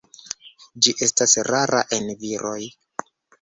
Ĝi estas rara en viroj.